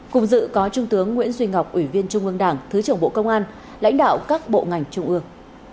cùng dự có trung tướng nguyễn duy ngọc ủy viên trung ương đảng thứ trưởng bộ công an lãnh đạo các bộ ngành trung ương